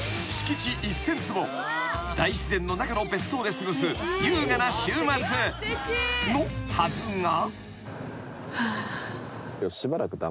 ［大自然の中の別荘で過ごす優雅な週末のはずが］